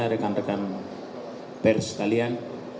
rekan rekan pers sekalian